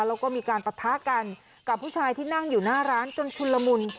แล้วก็มีการปะทะกันกับผู้ชายที่นั่งอยู่หน้าร้านจนชุนละมุน